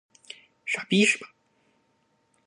傻逼是吧？